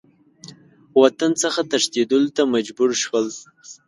وطن څخه تښتېدلو ته مجبور شول.